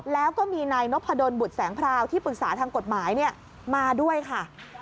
แล้วก็มีนายนพดลบุตรแสงพราวที่ปรึกษาทางกฎหมายมาด้วยค่ะ